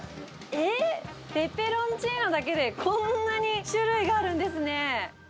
えっ、ペペロンチーノだけでこんなに種類があるんですね。